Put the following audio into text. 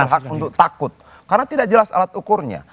hak untuk takut karena tidak jelas alat ukurnya